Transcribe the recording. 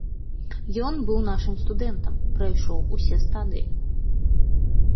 Ён быў нашым студэнтам, прайшоў усе стадыі.